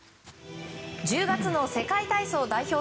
１０月の世界体操代表